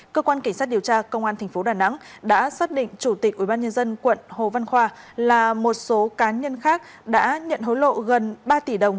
cơ quan cảnh sát điều tra công an tp đà nẵng đã xác định chủ tịch ubnd quận hồ văn khoa là một số cá nhân khác đã nhận hối lộ gần ba tỷ đồng